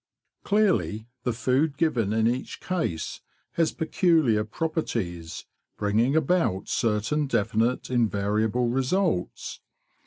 Clearly the food given in each case has peculiar properties, bringing about certain definite invariable THE BEE MILK MYSTERY 205 results.